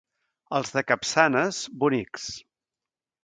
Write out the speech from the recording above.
Els de Capçanes, bonics.